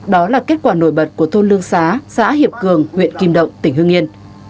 đó là kết quả nổi bật của thôn lương xá xã hiệp cường huyện kim động tỉnh hương yên